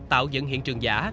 tạo dựng hiện trường giả